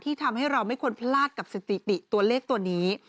ทำให้เราไม่ควรพลาดกับสถิติตัวเลขตัวนี้